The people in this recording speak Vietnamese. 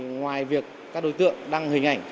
ngoài việc các đối tượng đăng hình ảnh